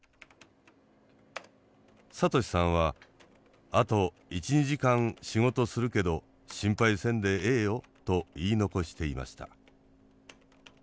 聡さんは「あと１２時間仕事するけど心配せんでええよ」と言い残していました。